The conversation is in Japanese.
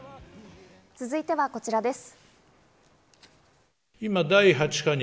続いてはこちらです。